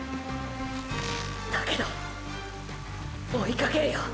だけど追いかけるよ！！